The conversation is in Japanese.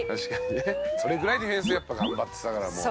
「それぐらいディフェンス頑張ってたからもう」